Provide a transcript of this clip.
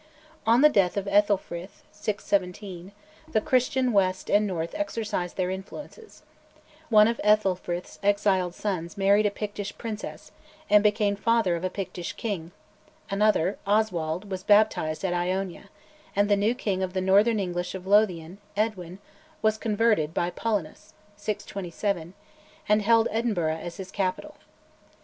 On the death of Aethelfrith (617), the Christian west and north exercised their influences; one of Aethelfrith's exiled sons married a Pictish princess, and became father of a Pictish king, another, Oswald, was baptised at Iona; and the new king of the northern English of Lothian, Edwin, was converted by Paullinus (627), and held Edinburgh as his capital.